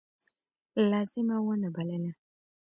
لازمه ونه بلله.